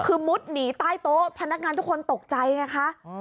คือมุดหนีใต้โต๊ะพนักงานทุกคนตกใจไงคะ